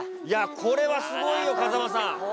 いやこれはすごいよ風間さん！